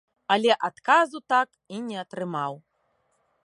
Але адказу так і не атрымаў.